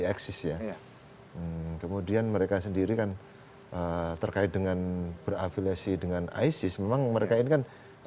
eksis ya kemudian mereka sendiri kan terkait dengan berafiliasi dengan isis memang mereka ini kan